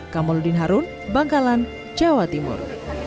kamaludin harun bangkalan jawa timur